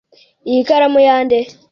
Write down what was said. Iyi ikaramu ya nde?